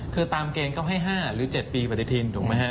คือตามเกณฑ์ก็ให้๕หรือ๗ปีปฏิทินถูกไหมฮะ